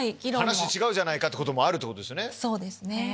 話違うじゃないか！ってこともあるってことですね。